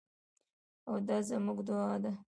او دا زموږ دعا ده.